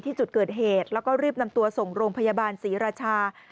จุดเกิดเหตุแล้วก็รีบนำตัวส่งโรงพยาบาลศรีราชา